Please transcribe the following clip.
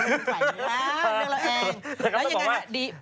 อ๋อค่ะอันนี้เราก็ลืมไปแล้วเลือกเราเอง